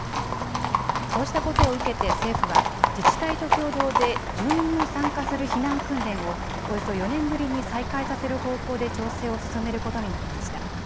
こうしたことを受けて政府は自治体と共同で住民も参加する避難訓練をおよそ４年ぶりに再開させる方向で調整を進めることになりました。